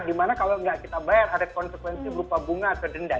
dimana kalau nggak kita bayar ada konsekuensi berupa bunga atau denda